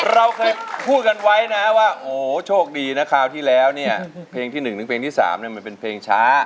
เราเคยพูดกันไว้นะว่าโอ้โหโชคดีนะคราวที่แล้วเนี่ยเพลงที่๑ถึงเพลงที่๓มันเป็นเพลงช้า